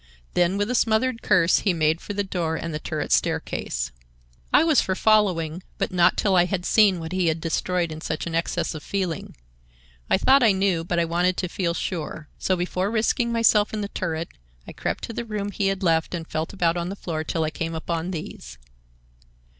Then with a smothered curse he made for the door and turret staircase. "I was for following, but not till I had seen what he had destroyed in such an excess of feeling. I thought I knew, but I wanted to feel sure. So, before risking myself in the turret, I crept to the room he had left and felt about on the floor till I came upon these."